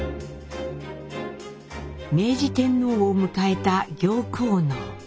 明治天皇を迎えた行幸能。